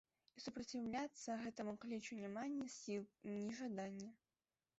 І супраціўляцца гэтаму клічу няма ні сіл, ні жадання.